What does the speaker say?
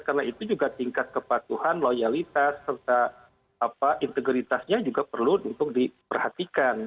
karena itu juga tingkat kepatuhan loyalitas serta integritasnya juga perlu untuk diperhatikan